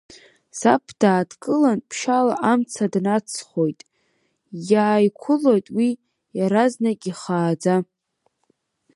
Саб дааҭгылан ԥшьаала амца днаҵхоит, иааиқәылоит уи иаразнак иххаӡа.